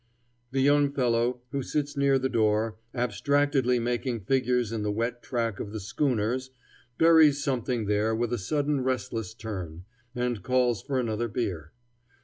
The young fellow who sits near the door, abstractedly making figures in the wet track of the "schooners," buries something there with a sudden restless turn, and calls for another beer.